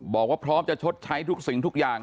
บอกว่าพร้อมจะชดใช้ทุกสิ่งทุกอย่าง